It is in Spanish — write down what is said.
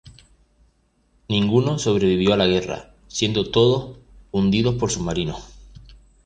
Ninguno sobrevivió a la guerra, siendo todos hundidos por submarinos.